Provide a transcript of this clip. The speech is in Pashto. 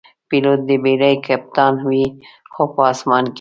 پیلوټ د بېړۍ کپتان وي، خو په آسمان کې.